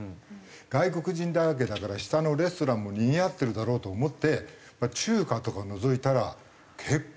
外国人だらけだから下のレストランもにぎわってるだろうと思って中華とかのぞいたら結構ガラガラなの。